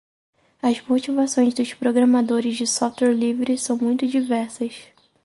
As motivações dos programadores de software livre são muito diversas.